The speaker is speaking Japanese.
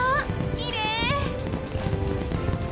きれい。